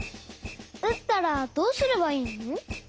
うったらどうすればいいの？